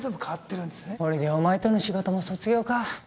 これでお前との仕事も卒業か。